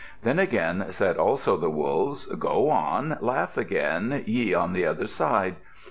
Then again said also the Wolves, "Go on! Laugh again, ye on the other side.